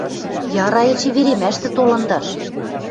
– Яра эче веремӓштӹ толындаш...